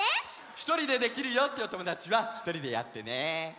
ひとりでできるよっていうおともだちはひとりでやってね。